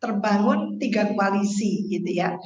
terbangun tiga koalisi gitu ya